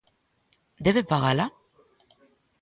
Debe pagala?